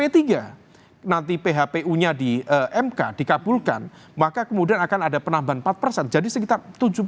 di umk dikabulkan maka kemudian akan ada penambahan empat jadi sekitar tujuh puluh empat